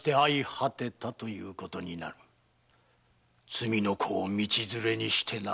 罪の子を道連れにしてな。